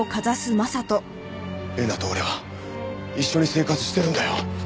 玲奈と俺は一緒に生活してるんだよ。